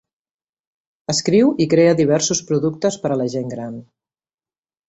Escriu i crea diversos productes per a la gent gran.